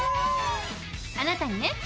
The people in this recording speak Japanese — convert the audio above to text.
あなたにね